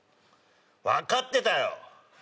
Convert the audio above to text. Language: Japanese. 分かってたよ。